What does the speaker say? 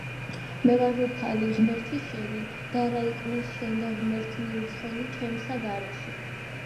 მე ვარ უფალი ღმერთი შენი, და არა იყვნენ შენდა ღმერთნი უცხონი ჩემსა გარეშე.